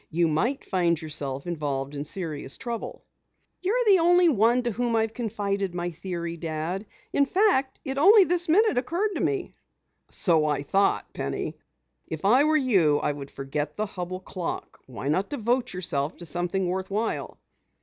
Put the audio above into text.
You might find yourself involved in serious trouble." "You're the only one to whom I've confided my theory, Dad. In fact, it only this minute occurred to me." "So I thought, Penny. If I were you I would forget the Hubell clock. Why not devote yourself to something worthwhile?"